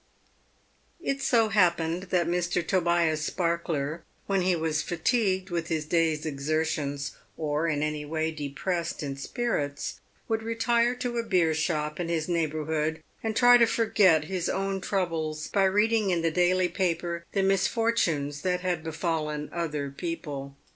It so happened that Mr. Tobias Sparkler, when he was fatigued with his day's exertions, or in any way depressed in spirits, would retire to a beer shop in his neighbourhood, and try to forget his own troubles by reading in the daily paper the misfortunes that had be fallen other people.